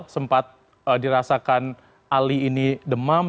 sempat dirasakan ali ini demam